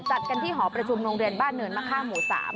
จัดกันที่หอประชุมโรงเรียนบ้านเนินมะค่าหมู่๓